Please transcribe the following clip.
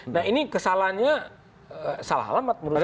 nah ini kesalahannya salah alamat menurut saya